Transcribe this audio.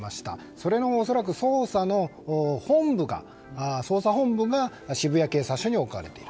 それの恐らく捜査本部が渋谷警察署に置かれている。